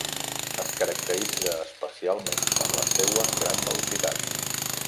Es caracteritza especialment per la seua gran velocitat.